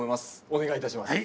お願いいたします。